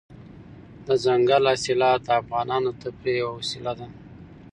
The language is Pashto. دځنګل حاصلات د افغانانو د تفریح یوه وسیله ده.